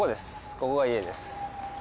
ここが家です。